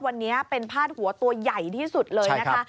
วันนี้เป็นพาดหัวตัวใหญ่ที่สุดเลยนะคะ